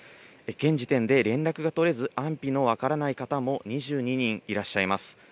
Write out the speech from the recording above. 現時点で連絡が取れず、安否の分からない方も２２人いらっしゃいます。